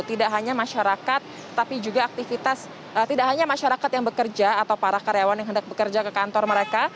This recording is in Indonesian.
tidak hanya masyarakat tapi juga aktivitas tidak hanya masyarakat yang bekerja atau para karyawan yang hendak bekerja ke kantor mereka